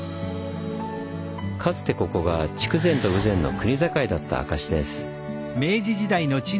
かつてここが筑前と豊前の国境だった証しです。